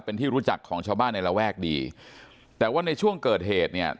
เป็นที่รู้จักของชาวบ้านในระแวกดีแต่ว่าในช่วงเกิดเหตุเนี่ย